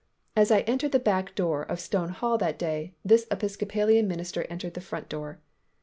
As I entered the back door of Stone Hall that day, this Episcopalian minister entered the front door.